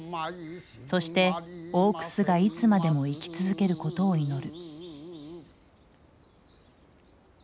そして大楠がいつまでも生き続けることを祈る。